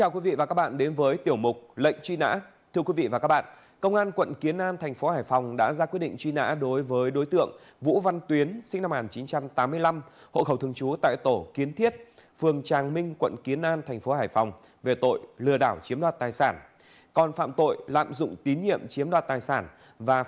chào mừng quý vị đến với tiểu mục lệnh truy nã